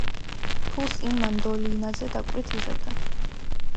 ფულს ის მანდოლინაზე დაკვრით იღებდა.